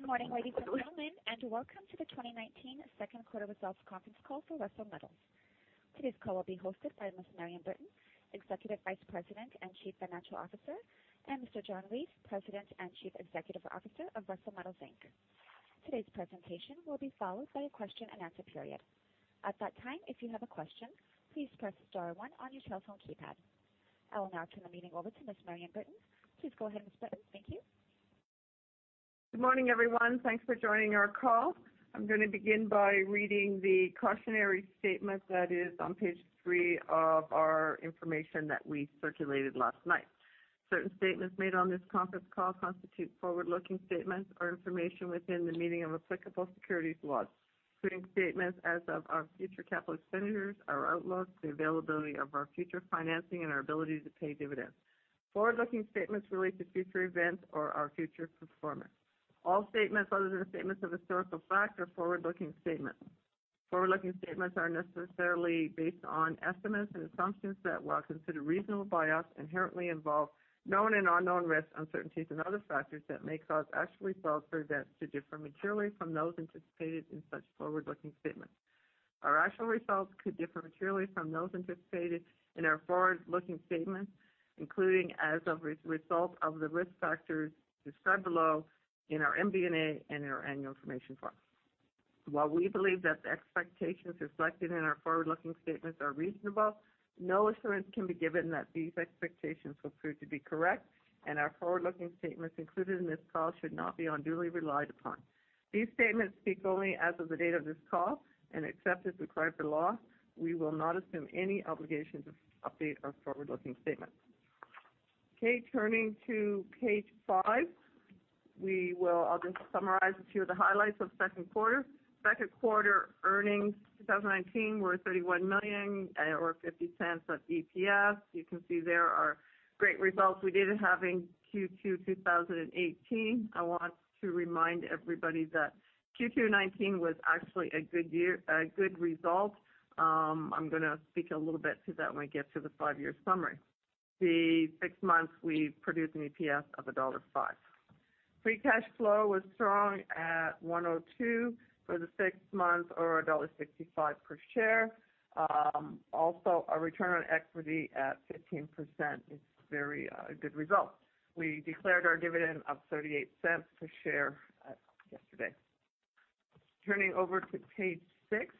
Good morning, ladies and gentlemen, welcome to the 2019 second quarter results conference call for Russel Metals. Today's call will be hosted by Ms. Marion Britton, Executive Vice President and Chief Financial Officer, and Mr. John Reid, President and Chief Executive Officer of Russel Metals Inc. Today's presentation will be followed by a question and answer period. At that time, if you have a question, please press star one on your telephone keypad. I will now turn the meeting over to Ms. Marion Britton. Please go ahead, Ms. Britton. Thank you. Good morning, everyone. Thanks for joining our call. I'm going to begin by reading the cautionary statement that is on page three of our information that we circulated last night. Certain statements made on this conference call constitute forward-looking statements or information within the meaning of applicable securities laws, including statements as of our future capital expenditures, our outlook, the availability of our future financing, and our ability to pay dividends. Forward-looking statements relate to future events or our future performance. All statements other than statements of historical fact are forward-looking statements. Forward-looking statements are necessarily based on estimates and assumptions that, while considered reasonable by us, inherently involve known and unknown risks, uncertainties, and other factors that may cause actual results or events to differ materially from those anticipated in such forward-looking statements. Our actual results could differ materially from those anticipated in our forward-looking statements, including as a result of the risk factors described below in our MD&A and in our annual information form. While we believe that the expectations reflected in our forward-looking statements are reasonable, no assurance can be given that these expectations will prove to be correct, and our forward-looking statements included in this call should not be unduly relied upon. These statements speak only as of the date of this call, and except as required by law, we will not assume any obligation to update our forward-looking statements. Turning to page five. I'll just summarize a few of the highlights of second quarter. Second quarter earnings 2019 were 31 million, or 0.50 of EPS. You can see there our great results we did having Q2 2018. I want to remind everybody that Q2 2019 was actually a good result. I am going to speak a little bit to that when we get to the five-year summary. The six months, we produced an EPS of dollar 1.05. Free cash flow was strong at 102 for the six months or dollar 1.65 per share. Also, our return on equity at 15% is a very good result. We declared our dividend of 0.38 per share yesterday. Turning over to page six,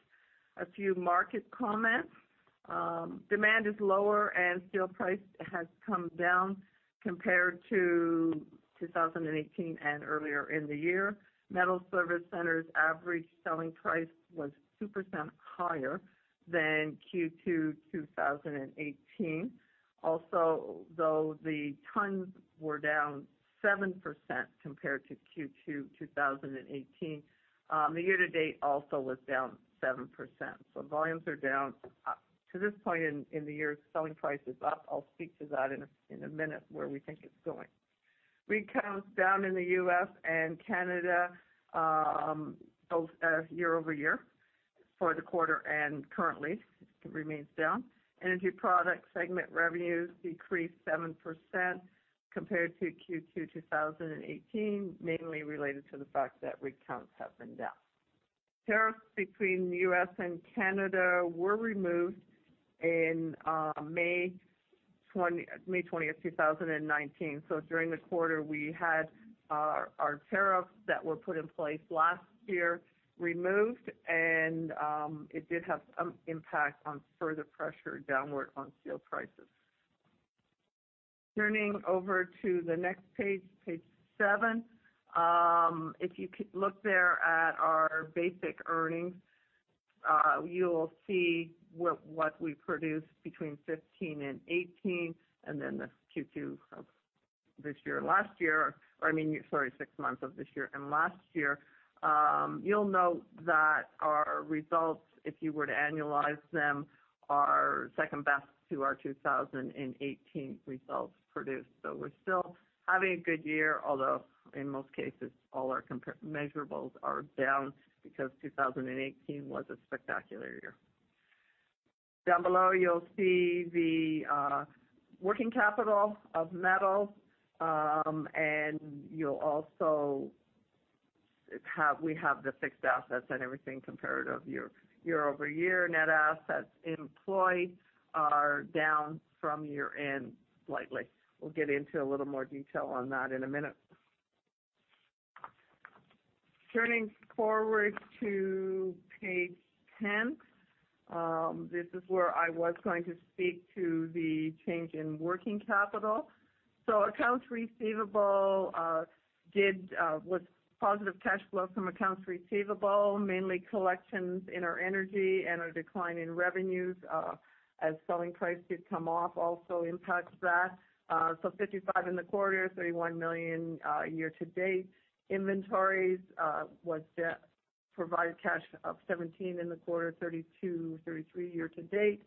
a few market comments. Demand is lower and steel price has come down compared to 2018 and earlier in the year. Metal service centers average selling price was 2% higher than Q2 2018. Also, though, the tons were down 7% compared to Q2 2018. The year to date also was down 7%, so volumes are down. To this point in the year, selling price is up. I'll speak to that in a minute, where we think it's going. Rig counts down in the U.S. and Canada, both year-over-year for the quarter and currently it remains down. Energy product segment revenues decreased 7% compared to Q2 2018, mainly related to the fact that rig counts have been down. Tariffs between the U.S. and Canada were removed in May 20th, 2019. During the quarter, we had our tariffs that were put in place last year removed, and it did have some impact on further pressure downward on steel prices. Turning over to the next page seven. If you look there at our basic earnings, you will see what we produced between 2015 and 2018, and then the Q2 of this year and last year, or I mean, sorry, six months of this year and last year. You'll note that our results, if you were to annualize them, are second best to our 2018 results produced. We're still having a good year, although in most cases, all our measurables are down because 2018 was a spectacular year. Down below, you'll see the working capital of metal, and we have the fixed assets and everything comparative year-over-year. Net assets employed are down from year-end slightly. We'll get into a little more detail on that in a minute. Turning forward to page 10. This is where I was going to speak to the change in working capital. Accounts receivable did with positive cash flow from accounts receivable, mainly collections in our energy and our decline in revenues as selling price did come off also impacts that. 55 million in the quarter, 31 million year to date. Inventories provided cash of 17 in the quarter, 32, 33 year to date.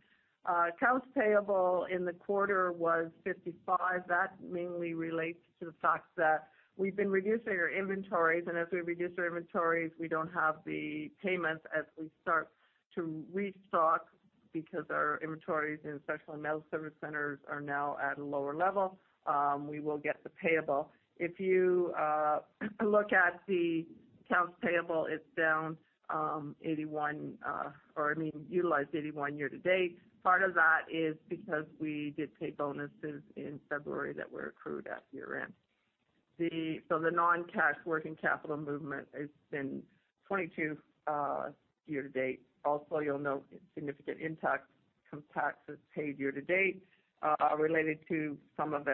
Accounts payable in the quarter was 55. That mainly relates to the fact that we've been reducing our inventories, and as we reduce our inventories, we don't have the payments as we start to restock because our inventories, and especially metal service centers, are now at a lower level. We will get the payable. If you look at the accounts payable, it's down 81, or I mean, utilized 81 year to date. Part of that is because we did pay bonuses in February that were accrued at year-end. The non-cash working capital movement has been 22 year to date. Also, you'll note a significant impact from taxes paid year to date, related to some of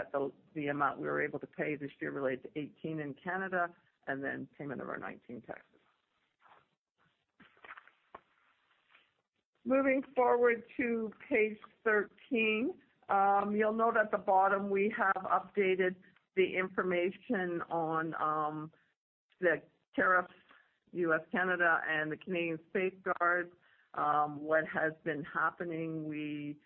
the amount we were able to pay this year related to 2018 in Canada, and then payment of our 2019 taxes. Moving forward to page 13. You will note at the bottom, we have updated the information on the tariffs, U.S., Canada, and the Canadian safeguards. What has been happening, we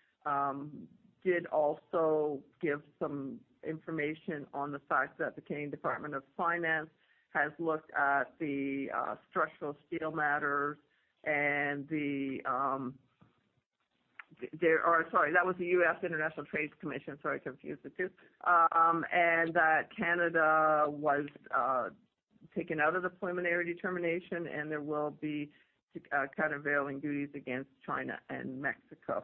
did also give some information on the fact that the Canadian Department of Finance has looked at the structural steel matters and the, or, sorry, that was the U.S. International Trade Commission, sorry, confused the two. Canada was taken out of the preliminary determination, and there will be countervailing duties against China and Mexico.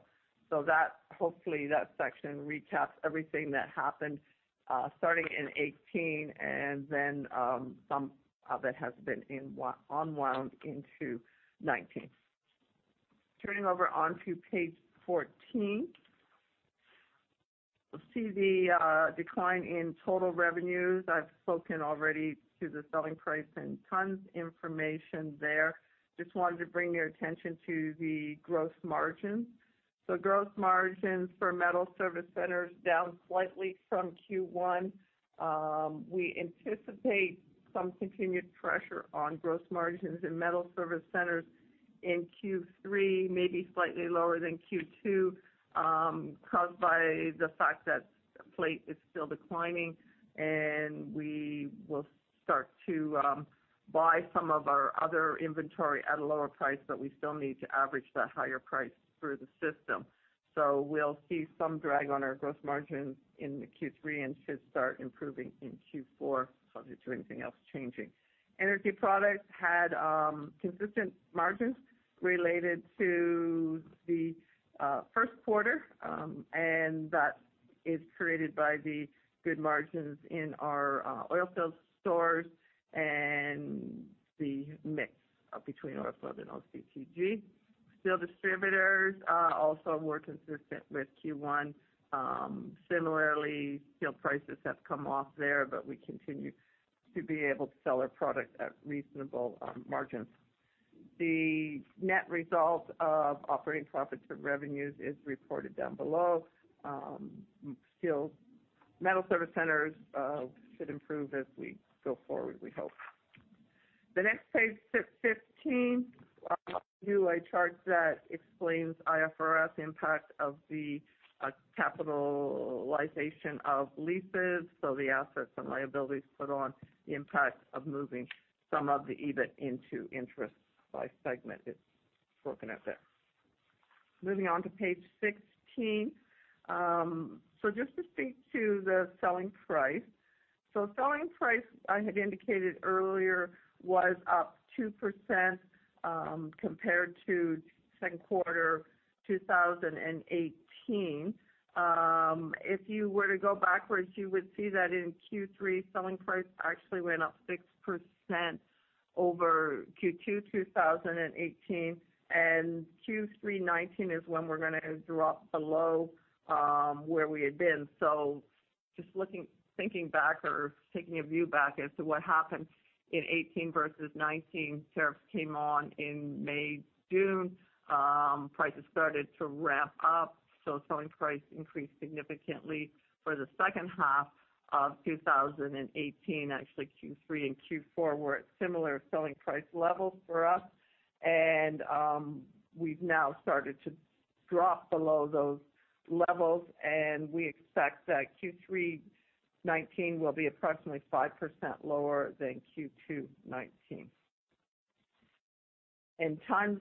Hopefully, that section recaps everything that happened, starting in 2018, and then some of it has been unwound into 2019. Turning over onto page 14. You will see the decline in total revenues. I have spoken already to the selling price and tons information there. Just wanted to bring your attention to the gross margin. Gross margins for metal service centers down slightly from Q1. We anticipate some continued pressure on gross margins in metal service centers in Q3, maybe slightly lower than Q2, caused by the fact that plate is still declining, and we will start to buy some of our other inventory at a lower price, but we still need to average that higher price through the system. We'll see some drag on our gross margin in the Q3, and should start improving in Q4, subject to anything else changing. Energy products had consistent margins related to the first quarter, and that is created by the good margins in our oilfield stores and the mix between oilfield and OCTG. Steel distributors are also more consistent with Q1. Similarly, steel prices have come off there, but we continue to be able to sell our product at reasonable margins. The net result of operating profits and revenues is reported down below. Metal service centers should improve as we go forward, we hope. The next page, 15. I will give you a chart that explains IFRS impact of the capitalization of leases. The assets and liabilities put on the impact of moving some of the EBIT into interest by segment is spoken out there. Moving on to page 16. Just to speak to the selling price. Selling price, I had indicated earlier, was up 2% compared to second quarter 2018. If you were to go backwards, you would see that in Q3, selling price actually went up 6% over Q2 2018, and Q3 2019 is when we are going to drop below where we had been. Just thinking back or taking a view back as to what happened in 2018 versus 2019, tariffs came on in May, June. Prices started to ramp up, selling price increased significantly for the second half of 2018. Actually, Q3 and Q4 were at similar selling price levels for us. We've now started to drop below those levels, and we expect that Q3 2019 will be approximately 5% lower than Q2 2019. Tons,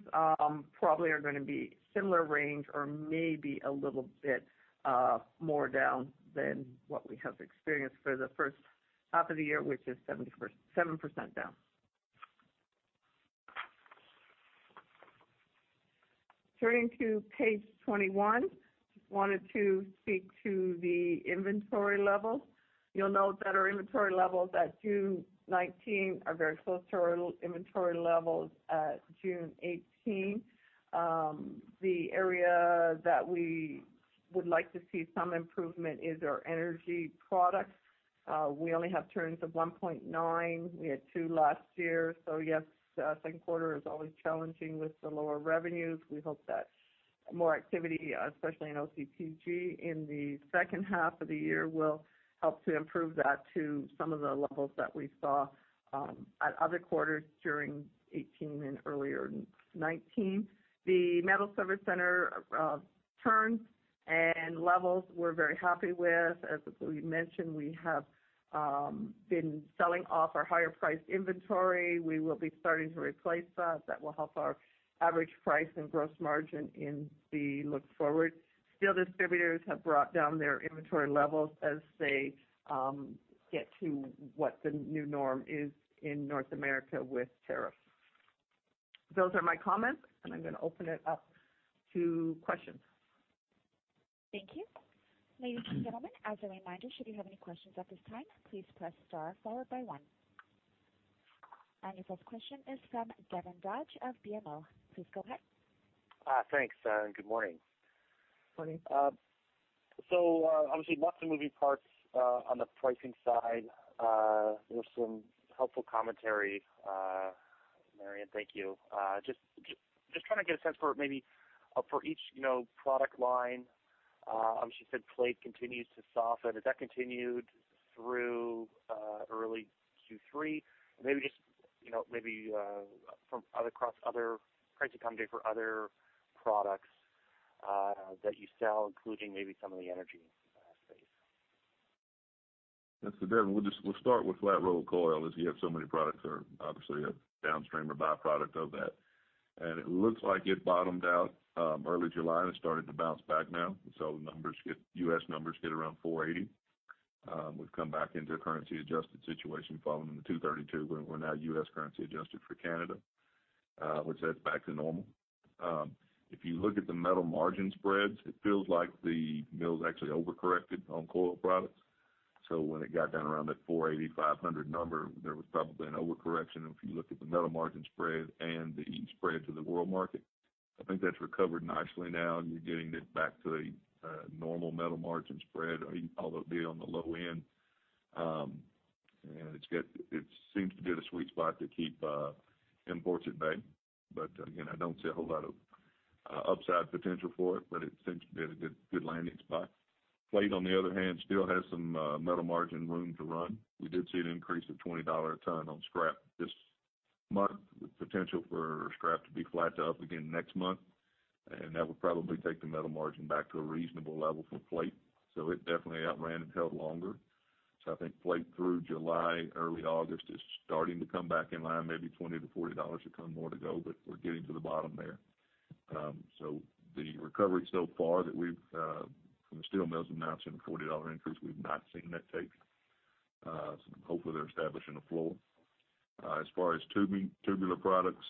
probably are going to be similar range or maybe a little bit more down than what we have experienced for the first half of the year, which is 7% down. Turning to page 21, just wanted to speak to the inventory levels. You'll note that our inventory levels at June 2019 are very close to our inventory levels at June 2018. The area that we would like to see some improvement is our energy products. We only have turns of 1.9. We had two last year. Yes, second quarter is always challenging with the lower revenues. We hope that more activity, especially in OCTG in the second half of the year, will help to improve that to some of the levels that we saw at other quarters during 2018 and earlier in 2019. The metal service center turns and levels we're very happy with. As we mentioned, we have been selling off our higher-priced inventory. We will be starting to replace that. That will help our average price and gross margin in the look forward. Steel distributors have brought down their inventory levels as they get to what the new norm is in North America with tariffs. Those are my comments, and I'm going to open it up to questions. Thank you. Ladies and gentlemen, as a reminder, should you have any questions at this time, please press star followed by one. Our next question is from Devin Dodge of BMO. Please go ahead. Thanks, and good morning. Morning. Obviously lots of moving parts on the pricing side. There was some helpful commentary, Marion, thank you. Just trying to get a sense for maybe for each product line? Obviously, you said plate continues to soften. Has that continued through early Q3? Maybe just from across other pricing commentary for other products that you sell, including maybe some of the energy space? Listen, Devin, we'll start with flat rolled coil, as you have so many products that are obviously a downstream or byproduct of that. It looks like it bottomed out early July and has started to bounce back now. U.S. numbers hit around $480. We've come back into a currency adjusted situation following the Section 232, we're now U.S. currency adjusted for Canada, which sets back to normal. If you look at the metal margin spreads, it feels like the mills actually over-corrected on coil products. When it got down around that $480, $500 number, there was probably an overcorrection. If you look at the metal margin spread and the spread to the world market, I think that's recovered nicely now, and you're getting it back to a normal metal margin spread, although it'd be on the low end. It seems to be in a sweet spot to keep imports at bay. Again, I don't see a whole lot of upside potential for it, but it seems to be in a good landing spot. Plate, on the other hand, still has some metal margin room to run. We did see an increase of 20 dollar a ton on scrap this month, with potential for scrap to be flat to up again next month. That would probably take the metal margin back to a reasonable level for plate. It definitely outran and held longer. I think plate through July, early August, is starting to come back in line, maybe 20-40 dollars a ton more to go, but we're getting to the bottom there. The recovery so far that we've, from the steel mills announcing a 40 dollar increase, we've not seen that take. Hopefully, they're establishing a floor. As far as tubular products,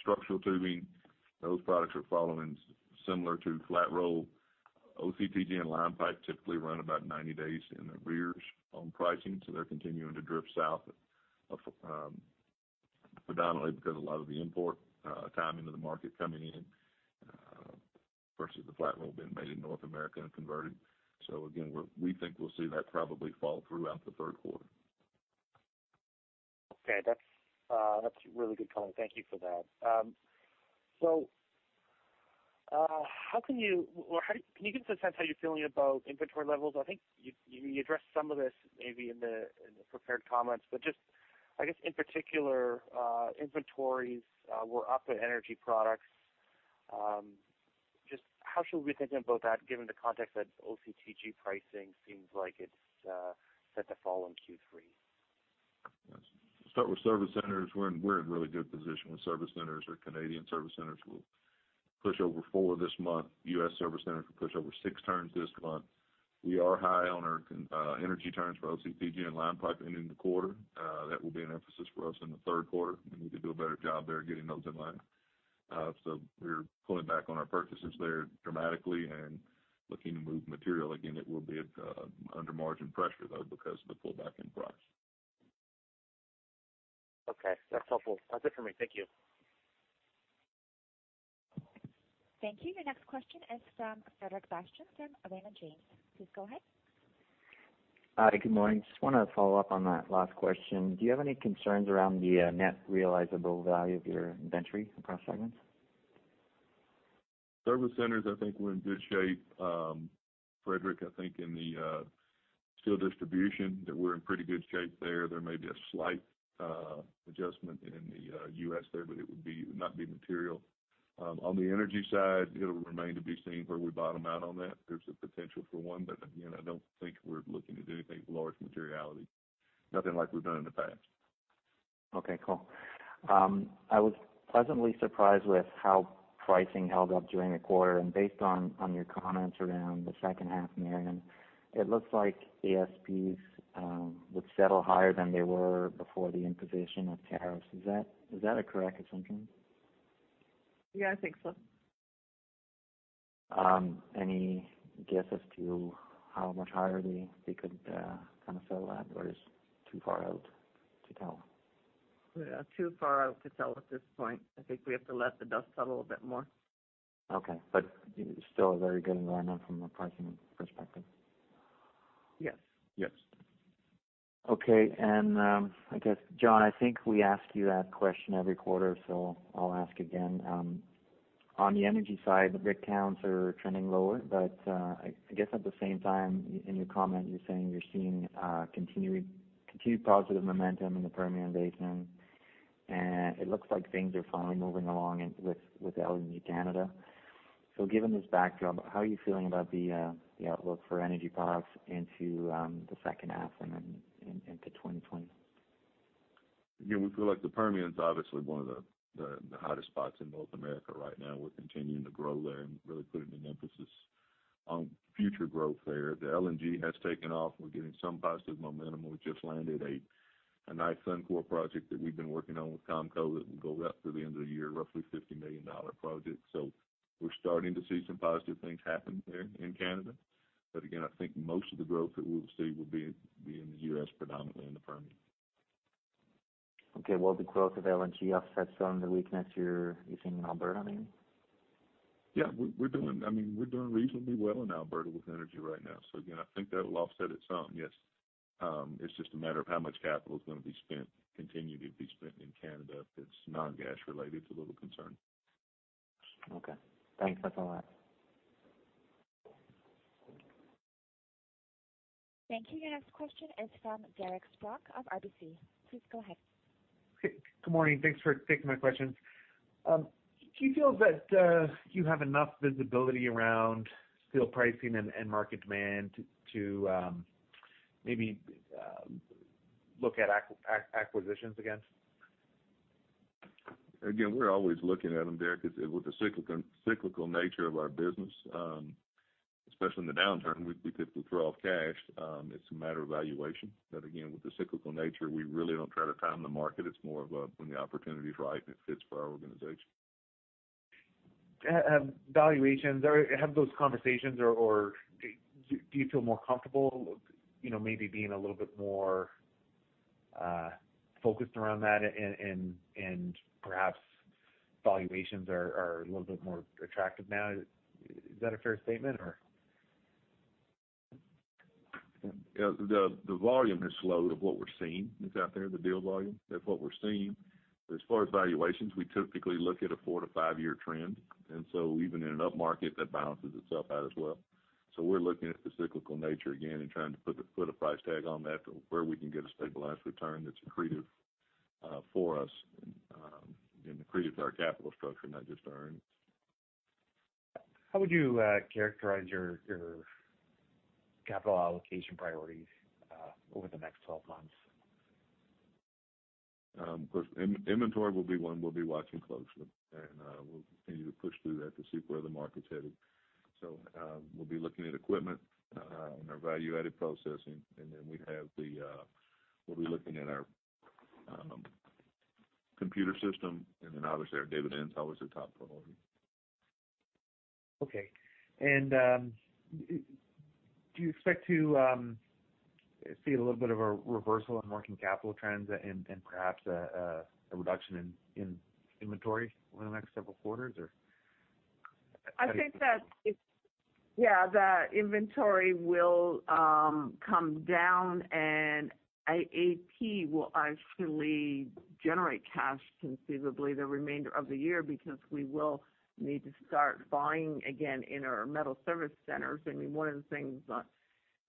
structural tubing, those products are following similar to flat roll. OCTG and line pipe typically run about 90 days in the rears on pricing, they're continuing to drift south predominantly because a lot of the import timing of the market coming in, versus the flat roll being made in North America and converted. Again, we think we'll see that probably fall throughout the third quarter. Okay. That's a really good comment. Thank you for that. Can you give us a sense how you're feeling about inventory levels? I think you addressed some of this maybe in the prepared comments, but just, I guess in particular, inventories were up at Energy Products. Just how should we be thinking about that, given the context that OCTG pricing seems like it's set to fall in Q3? Yes. Start with service centers. We're in a really good position with service centers. Our Canadian service centers will push over 4 this month. U.S. service centers will push over 6 turns this month. We are high on our energy turns for OCTG and line pipe ending the quarter. That will be an emphasis for us in the third quarter, and we could do a better job there getting those in line. We're pulling back on our purchases there dramatically and looking to move material. Again, it will be under margin pressure, though, because of the pullback in price. Okay, that's helpful. That's it for me. Thank you. Thank you. Your next question is from Frederic Bastien from Raymond James. Please go ahead. Hi, good morning. I just want to follow up on that last question. Do you have any concerns around the net realizable value of your inventory across segments? Service centers, I think we're in good shape. Frederic, I think in the steel distribution that we're in pretty good shape there. There may be a slight adjustment in the U.S. there, but it would not be material. On the energy side, it'll remain to be seen where we bottom out on that. There's a potential for one, but again, I don't think we're looking at anything large materiality. Nothing like we've done in the past. Okay, cool. I was pleasantly surprised with how pricing held up during the quarter. Based on your comments around the second half, Marion, it looks like the ASPs would settle higher than they were before the imposition of tariffs. Is that a correct assumption? Yeah, I think so. Any guess as to how much higher they could settle at, or it is too far out to tell? Yeah. Too far out to tell at this point. I think we have to let the dust settle a bit more. Okay. Still a very good environment from a pricing perspective. Yes. Okay. I guess, John, I think we ask you that question every quarter, so I'll ask again. On the energy side, the rig counts are trending lower. I guess at the same time, in your comment, you're saying you're seeing continued positive momentum in the Permian Basin. It looks like things are finally moving along with LNG Canada. Given this backdrop, how are you feeling about the outlook for Energy Products into the second half and then into 2020? Again, we feel like the Permian is obviously one of the hottest spots in North America right now. We're continuing to grow there and really putting an emphasis on future growth there. The LNG has taken off. We're getting some positive momentum. We just landed a nice Suncor project that we've been working on with Comco that will go up through the end of the year, roughly a 50 million dollar project. We're starting to see some positive things happen there in Canada. Again, I think most of the growth that we'll see will be in the U.S., predominantly in the Permian. Okay. Will the growth of LNG offset some of the weakness you're seeing in Alberta, maybe? Yeah. We're doing reasonably well in Alberta with energy right now. Again, I think that will offset it some, yes. It's just a matter of how much capital is going to be spent, continuing to be spent in Canada that's non-gas related is a little concern. Okay. Thanks. That's all I have. Thank you. Your next question is from Derek Spronck of RBC. Please go ahead. Good morning. Thanks for taking my questions. Do you feel that you have enough visibility around steel pricing and market demand to maybe look at acquisitions again? Again, we're always looking at them, Derek, because with the cyclical nature of our business, especially in the downturn, we typically throw off cash. It's a matter of valuation. Again, with the cyclical nature, we really don't try to time the market. It's more of a, when the opportunity's right, and it fits for our organization. Valuations. Have those conversations, or do you feel more comfortable maybe being a little bit more focused around that, and perhaps valuations are a little bit more attractive now? Is that a fair statement, or? The volume is slow to what we're seeing. It's out there, the deal volume, that's what we're seeing. As far as valuations, we typically look at a four- to five-year trend. Even in an upmarket, that balances itself out as well. We're looking at the cyclical nature again and trying to put a price tag on that to where we can get a stabilized return that's accretive for us, and accretive to our capital structure, not just our earnings. How would you characterize your capital allocation priorities over the next 12 months? Of course, inventory will be one we'll be watching closely, and we'll continue to push through that to see where the market's headed. We'll be looking at equipment and our value-added processing, and then we'll be looking at our computer system. Obviously our dividends, always a top priority. Okay. Do you expect to see a little bit of a reversal in working capital trends and perhaps a reduction in inventory over the next several quarters, or? I think that, yeah, the inventory will come down, AAP will actually generate cash conceivably the remainder of the year because we will need to start buying again in our metal service centers. One of the things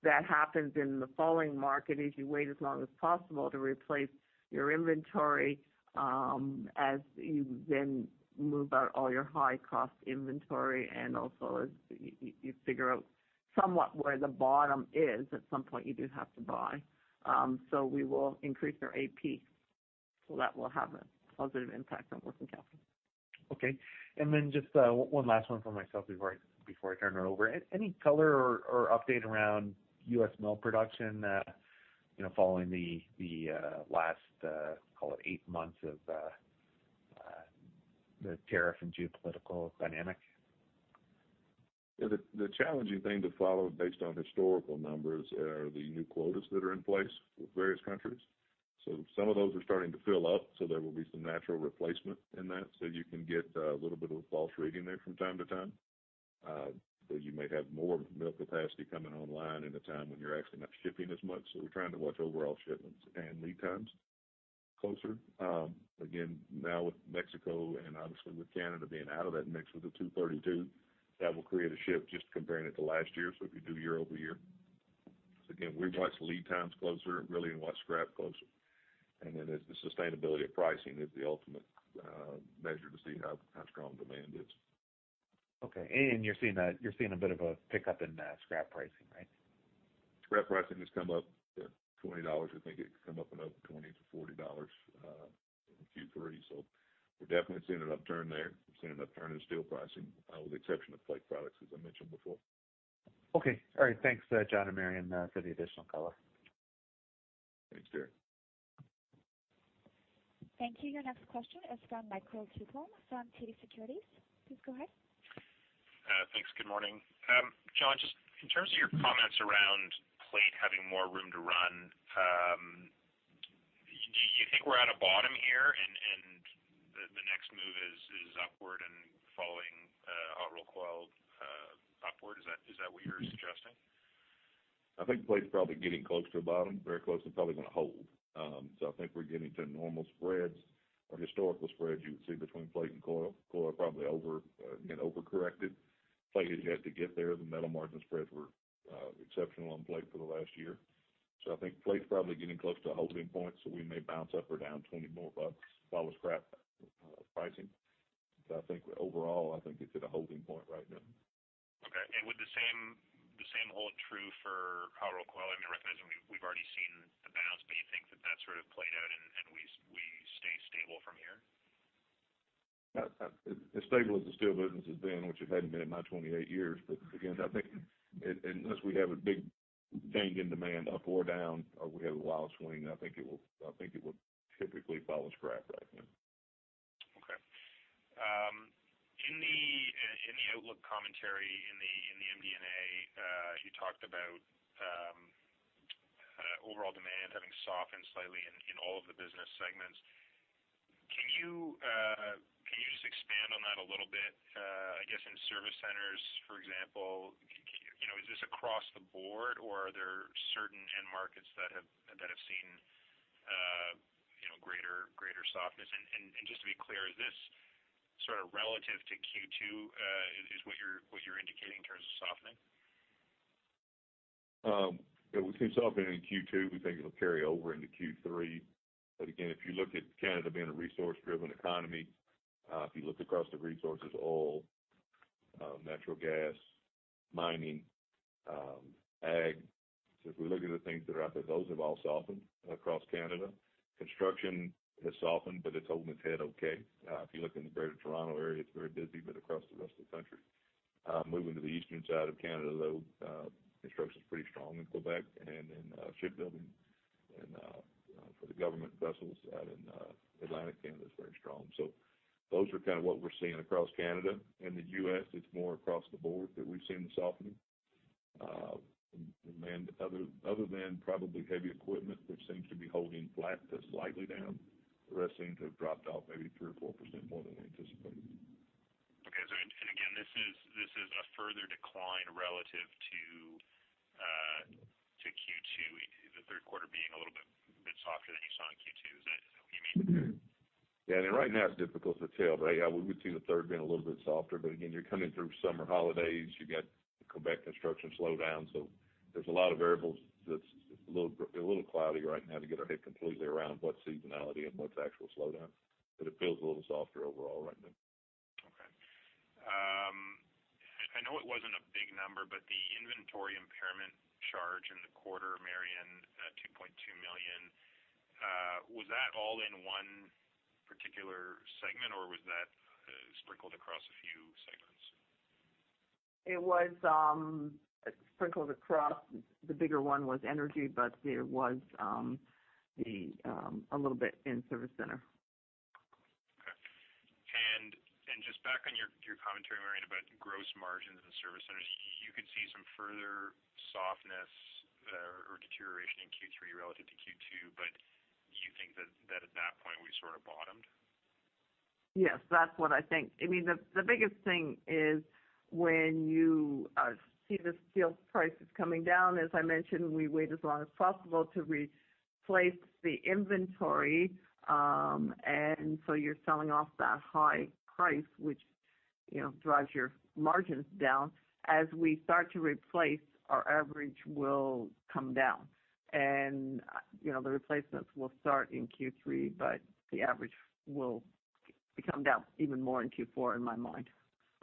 that happens in the falling market is you wait as long as possible to replace your inventory as you then move out all your high-cost inventory. Also, as you figure out somewhat where the bottom is, at some point, you do have to buy. We will increase our AP. That will have a positive impact on working capital. Okay. Just one last one from myself before I turn it over. Any color or update around U.S. mill production, following the last, call it eight months of the tariff and geopolitical dynamic? Yeah, the challenging thing to follow based on historical numbers are the new quotas that are in place with various countries. Some of those are starting to fill up, so there will be some natural replacement in that. You can get a little bit of a false reading there from time to time. You may have more mill capacity coming online in a time when you're actually not shipping as much. We're trying to watch overall shipments and lead times closer. Again, now with Mexico and obviously with Canada being out of that mix with the 232, that will create a shift just comparing it to last year. If you do year-over-year. Again, we watch lead times closer and really watch scrap closer. The sustainability of pricing is the ultimate measure to see how strong demand is. Okay. You're seeing a bit of a pickup in scrap pricing, right? Scrap pricing has come up 20 dollars. We think it could come up another 20-40 dollars in Q3. We're definitely seeing an upturn there. We're seeing an upturn in steel pricing with the exception of plate products, as I mentioned before. Okay. All right. Thanks, John and Marion, for the additional color. Thanks, Derek. Thank you. Your next question is from Michael Tupholme from TD Securities. Please go ahead. Thanks. Good morning. John, just in terms of your comments around plate having more room to run, do you think we're at a bottom here and the next move is upward and following hot rolled coil upward? Is that what you're suggesting? I think plate's probably getting close to the bottom. Very close, and probably gonna hold. I think we're getting to normal spreads or historical spreads you would see between plate and coil. Coil probably over-corrected. Plate has yet to get there. The metal margin spreads were exceptional on plate for the last year. I think plate's probably getting close to a holding point, we may bounce up or down 20 bucks more if I follow scrap pricing. I think overall, I think it's at a holding point right now. Okay. Would the same hold true for hot rolled coil? I mean, recognizing we've already seen the bounce, but you think that that sort of played out stable from here? As stable as the steel business has been, which it hadn't been in my 28 years. Again, I think unless we have a big change in demand up or down, or we have a wild swing, I think it will typically follow scrap right now. Okay. In the outlook commentary in the MD&A, you talked about overall demand having softened slightly in all of the business segments. Can you just expand on that a little bit? I guess, in service centers, for example, is this across the board or are there certain end markets that have seen greater softness? Just to be clear, is this sort of relative to Q2, is what you're indicating in terms of softening? Yeah. We've seen softening in Q2. We think it'll carry over into Q3. Again, if you look at Canada being a resource-driven economy, if you look across the resources, oil, natural gas, mining, ag, if we look at the things that are out there, those have all softened across Canada. Construction has softened, but it's holding its head okay. If you look in the greater Toronto area, it's very busy, but across the rest of the country, moving to the eastern side of Canada, though, construction's pretty strong in Quebec, and then shipbuilding for the government vessels out in Atlantic Canada is very strong. Those are kind of what we're seeing across Canada. In the U.S., it's more across the board that we've seen the softening. Other than probably heavy equipment, which seems to be holding flat to slightly down, the rest seem to have dropped off maybe 3% or 4% more than anticipated. Okay. Again, this is a further decline relative to Q2, the third quarter being a little bit softer than you saw in Q2. Is that what you mean? Yeah. I mean, right now it's difficult to tell, but yeah, we would see the third being a little bit softer, but again, you're coming through summer holidays. You got Quebec construction slowdown. There's a lot of variables that's a little cloudy right now to get our head completely around what's seasonality and what's actual slowdown. It feels a little softer overall right now. Okay. I know it wasn't a big number, the inventory impairment charge in the quarter, Marion, at 2.2 million, was that all in one particular segment, or was that sprinkled across a few segments? It was sprinkled across. The bigger one was energy, but there was a little bit in service center. Okay. Just back on your commentary, Marion, about gross margins in the service centers. You could see some further softness or deterioration in Q3 relative to Q2, do you think that at that point we sort of bottomed? Yes, that's what I think. I mean, the biggest thing is when you see the steel prices coming down, as I mentioned, we wait as long as possible to replace the inventory. You're selling off that high price, which drives your margins down. As we start to replace, our average will come down, and the replacements will start in Q3, but the average will come down even more in Q4 in my mind,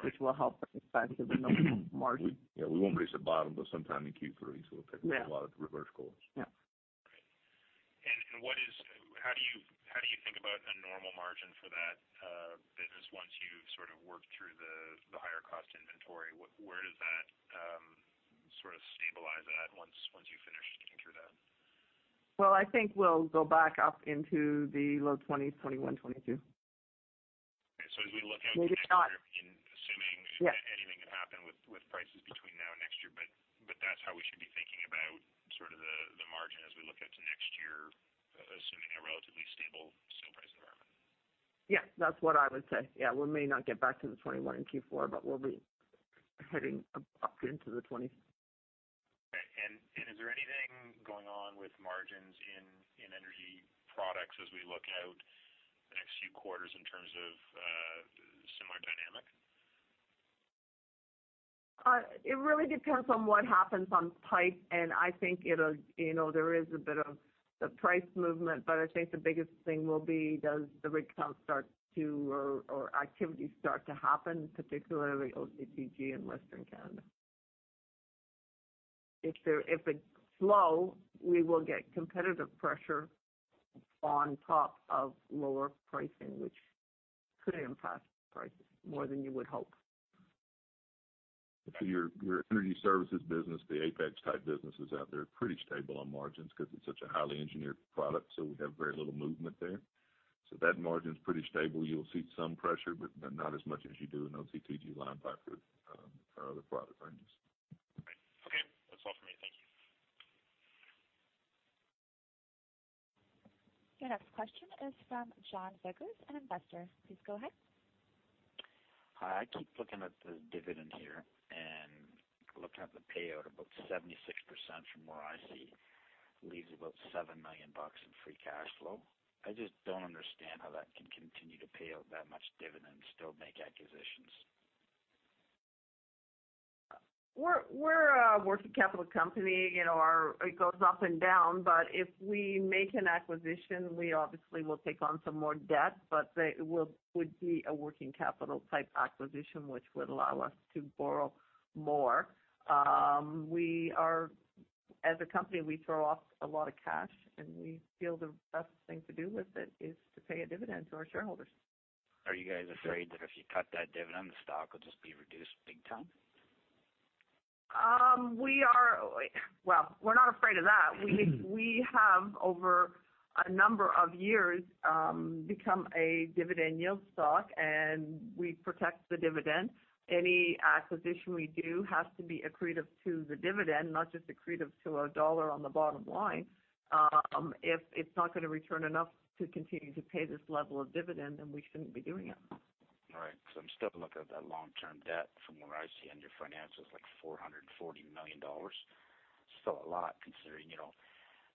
which will help expand the gross margin. Yeah, we won't reach the bottom until sometime in Q3. Yeah a lot of reverse calls. Yeah. Right. How do you think about a normal margin for that business once you've sort of worked through the higher cost inventory? Where does that sort of stabilize at once you've finished getting through that? Well, I think we'll go back up into the low 20s, 21, 22. Okay. As we look out. Maybe not. into next year, assuming anything can happen with prices between now and next year. That's how we should be thinking about sort of the margin as we look out to next year, assuming a relatively stable steel price environment. Yes. That's what I would say. Yeah, we may not get back to the 21 in Q4, but we'll be heading up into the 20s. Okay. Is there anything going on with margins in energy products as we look out the next few quarters in terms of similar dynamic? It really depends on what happens on pipe, and I think there is a bit of the price movement, but I think the biggest thing will be does the rig count start to or activity start to happen, particularly OCTG in Western Canada. If it's slow, we will get competitive pressure on top of lower pricing, which could impact prices more than you would hope. Your energy services business, the Apex-type businesses out there, pretty stable on margins because it's such a highly engineered product. We have very little movement there. That margin's pretty stable. You'll see some pressure, but not as much as you do in OCTG, line pipe, or other product ranges. Right. Okay. That's all for me. Thank you. Your next question is from John Vickers, an investor. Please go ahead. Hi. I keep looking at the dividend here and looking at the payout, about 76% from where I see. Leaves about 7 million bucks in free cash flow. I just don't understand how that can continue to pay out that much dividend and still make acquisitions. We're a working capital company. It goes up and down. If we make an acquisition, we obviously will take on some more debt, but it would be a working capital type acquisition, which would allow us to borrow more. As a company, we throw off a lot of cash, and we feel the best thing to do with it is to pay a dividend to our shareholders. Are you guys afraid that if you cut that dividend, the stock will just be reduced big time? We're not afraid of that. We have, over a number of years, become a dividend yield stock, and we protect the dividend. Any acquisition we do has to be accretive to the dividend, not just accretive to CAD 1 on the bottom line. If it's not going to return enough to continue to pay this level of dividend, then we shouldn't be doing it. All right. I'm still looking at that long-term debt from where I stand, your finance was like 440 million dollars. That's still a lot considering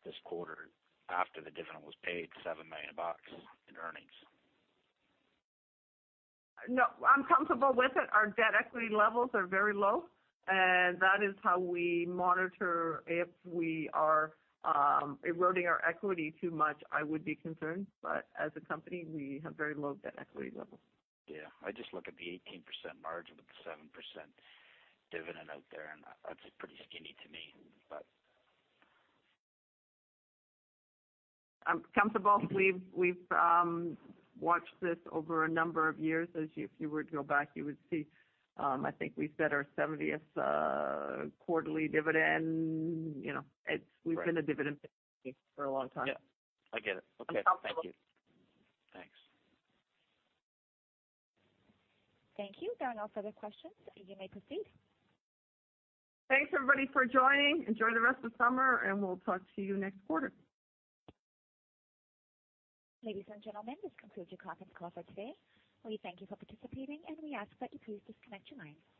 this quarter, after the dividend was paid, 7 million bucks in earnings. No, I'm comfortable with it. Our debt equity levels are very low, and that is how we monitor. If we are eroding our equity too much, I would be concerned. As a company, we have very low debt equity levels. Yeah. I just look at the 18% margin with the 7% dividend out there. That's pretty skinny to me. I'm comfortable. We've watched this over a number of years. If you were to go back, you would see, I think we said our 70th quarterly dividend. Right. We've been a dividend for a long time. Yeah. I get it. Okay. I'm comfortable. Thank you. Thanks. Thank you. There are no further questions. You may proceed. Thanks everybody for joining. Enjoy the rest of summer, and we'll talk to you next quarter. Ladies and gentlemen, this concludes your conference call for today. We thank you for participating, and we ask that you please disconnect your lines.